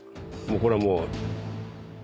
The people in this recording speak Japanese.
これはもう。